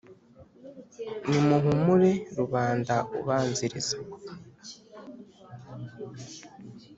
Nimuhumure Rubanda ubanziriza